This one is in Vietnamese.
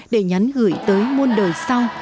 để nhắn gửi tới môn đời sau